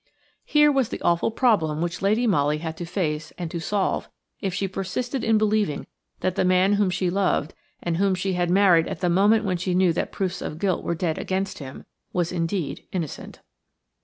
Here was the awful problem which Lady Molly had to face and to solve if she persisted in believing that the man whom she loved, and whom she had married at the moment when she knew that proofs of guilt were dead against him, was indeed innocent.